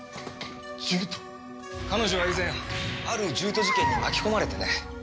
彼女は以前ある獣人事件に巻き込まれてね。